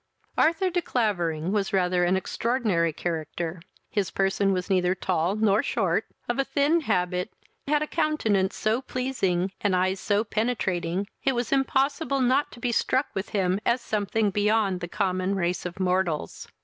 Arthur de Clavering was rather an extraordinary character; his person was neither tall nor short; of a thin habit; had a countenance so pleasing, and eyes so penetrating, it was impossible not to be struck with him, as something beyond the common race of mortals.